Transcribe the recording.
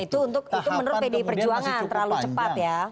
tahapan kemudian masih cukup panjang